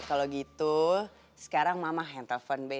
kalau gitu sekarang mama hantar phone be